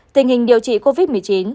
tình hình điều trị covid một mươi chín